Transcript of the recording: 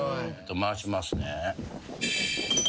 回しますね。